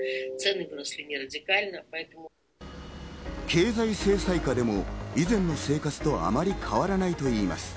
経済制裁下でも以前の生活とあまり変わらないといいます。